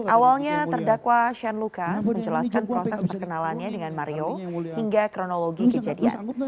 awalnya terdakwa shane lucas menjelaskan proses perkenalannya dengan mario hingga kronologi kejadian